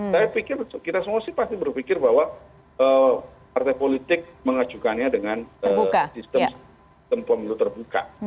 saya pikir kita semua sih pasti berpikir bahwa partai politik mengajukannya dengan sistem pemilu terbuka